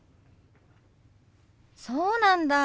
そうなんだ。